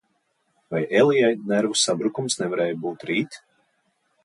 Vai Elijai nervu sabrukums nevarēja būt rīt?